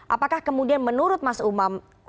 apakah kemudian menurut mas umam